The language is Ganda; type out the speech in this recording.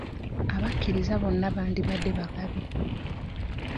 Abakiriza bonna bandibadde bagabi.